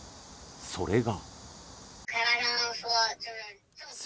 それが。